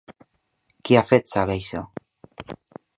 Qui ha fet saber això?